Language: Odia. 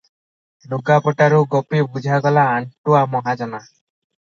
ଲୁଗାପଟାରୁ ଗୋପୀ ବୁଝିଗଲା ଆଣ୍ଟୁଆ ମହାଜନ ।